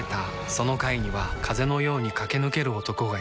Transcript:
その階には風のように駆け抜ける男がいた